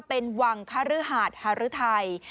เป็นวังคฮรือหาดหรือไทย